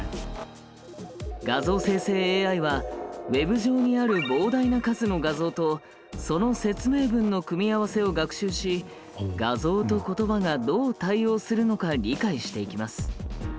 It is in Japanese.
画像生成ＡＩはＷｅｂ上にある膨大な数の画像とその説明文の組み合わせを学習し画像と言葉がどう対応するのか理解していきます。